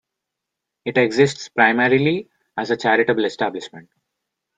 It exists primarily as a charitable establishment.